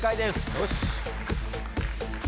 よし。